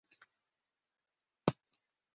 Юрый һалҡын булырға тырышып, өндәште: